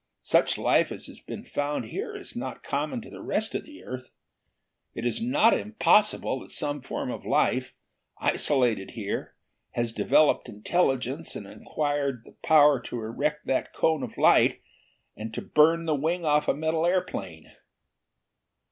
Such life as has been found here is not common to the rest of the earth. It is not impossible that some form of life, isolated here, has developed intelligence and acquired the power to erect that cone of light and to burn the wing off a metal airplane."